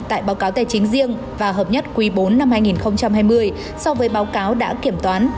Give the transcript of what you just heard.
tại báo cáo tài chính riêng và hợp nhất quý bốn năm hai nghìn hai mươi so với báo cáo đã kiểm toán